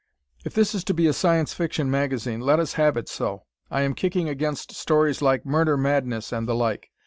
If this is to be a Science Fiction magazine let us have it so. I am kicking against stories like "Murder Madness" and the like.